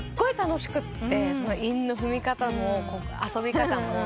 韻の踏み方も遊び方も。